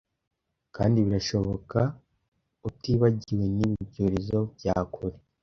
kandi birashoboka utibagiwe nibi byorezo bya kure